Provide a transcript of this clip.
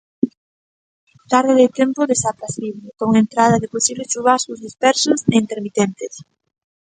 Tarde de tempo desapracible, con entrada de posibles chuvascos dispersos e intermitentes.